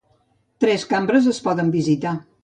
Tres cambres es poden visitar.